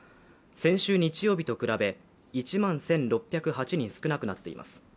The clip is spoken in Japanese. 先週日曜日と比べ１万１６０８人少なくなっています。